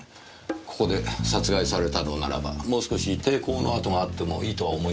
ここで殺害されたのならばもう少し抵抗の跡があってもいいとは思いませんか？